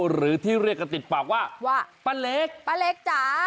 หรือที่เรียกกันติดปากว่าว่าป้าเล็กป้าเล็กจ๋า